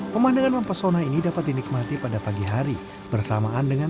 pemandangan mempesona ini dapat dinikmati pada saat berada di atas awan